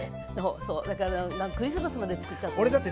だからクリスマスまで作っちゃって。